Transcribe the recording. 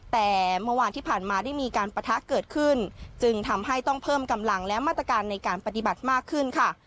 แต่เมื่อวานที่ผ่านมาได้มีการปะทะเกิดขึ้นจึงทำให้ต้องเพิ่มกำลังและมาตรการในการปฏิบัติมากขึ้นค่ะ